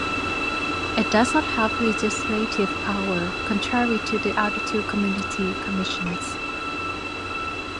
It does not have legislative power contrary to the other two community commissions.